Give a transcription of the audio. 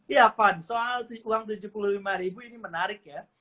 iya van soal uang rp tujuh puluh lima ini menarik ya